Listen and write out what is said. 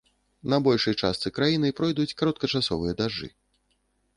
На большай частцы краіны пройдуць кароткачасовыя дажджы.